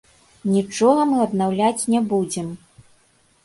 Нічога мы аднаўляць не будзем!